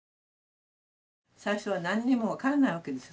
最初は何にも分かんないわけです。